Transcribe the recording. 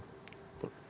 perhubungan itu apa